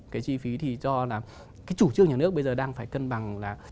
cái chi phí thì do là cái chủ trương nhà nước bây giờ đang phải cân bằng là